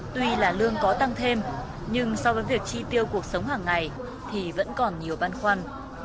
tuy là lương có tăng thêm nhưng so với việc chi tiêu cuộc sống hàng ngày thì vẫn còn nhiều băn khoăn